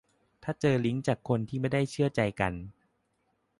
ถ้าเจอลิงก์จากคนที่ไม่ได้เชื่อใจกัน